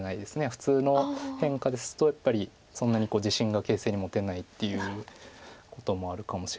普通の変化ですとやっぱりそんなに自信が形勢に持てないっていうこともあるかもしれないです。